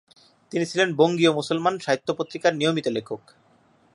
তিনি ছিলেন বঙ্গীয় মুসলমান সাহিত্য পত্রিকার নিয়মিত লেখক।